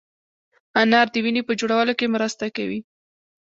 انار د وینې په جوړولو کې مرسته کوي.